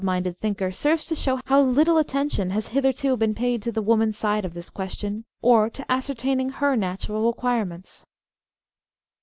minded thinker serves to show how little attention has hitherto been paid to the woman's side of this question, or to ascertaining her natural requiremente.